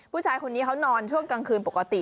ผู้ชายคนนี้เขานอนช่วงกลางคืนปกติ